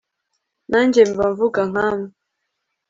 nanjye mba mvuga nkamwe